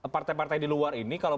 partai partai di luar ini kalau